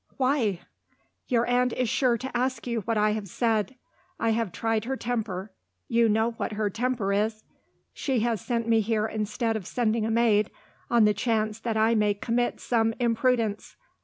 "Why?" "Your aunt is sure to ask you what I have said. I have tried her temper; you know what her temper is! She has sent me here instead of sending a maid, on the chance that I may commit some imprudence.